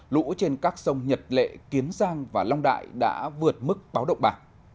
lũ trên các sông nhật lệ kiến giang và long đại đã vượt mức báo động ba